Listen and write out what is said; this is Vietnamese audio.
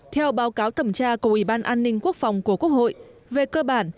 theo báo cáo thẩm tra của ủy ban an ninh quốc phòng của quốc hội về cơ bản